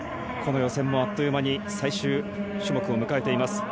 予選もあっという間に最終種目を迎えています。